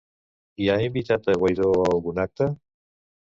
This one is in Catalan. I ha invitat a Guaidó a algun acte?